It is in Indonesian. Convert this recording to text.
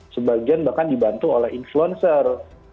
sebagian bahkan dibantu oleh influencer